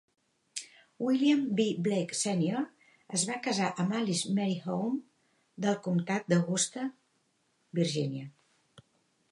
William B. Blake, Senior, es va casar amb Alice Mary Home, del comtat d'Augusta, Virgínia.